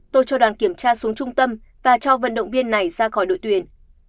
tôi cho đoàn kiểm tra xuống trung tâm và cho vận động viên này ra khỏi đội tuyển